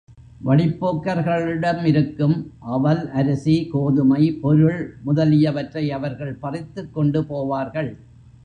வழிப்போக்கர்களிடம் இருக்கும் அவல், அரிசி, கோதுமை, பொருள் முதலியவற்றை அவர்கள் பறித்துக் கொண்டு போவார்கள்.